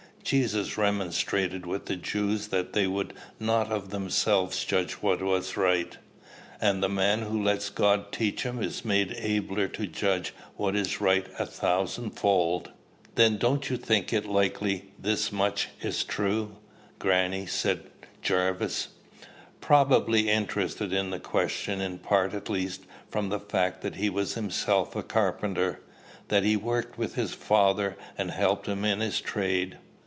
Jesus remonstrated with the Jews that they would not of themselves judge what was right; and the man who lets God teach him is made abler to judge what is right a thousand fold." "Then don't you think it likely this much is true, grannie," said Jarvis, probably interested in the question, in part at least, from the fact that he was himself a carpenter, "that he worked with his father, and helped him in his trade?"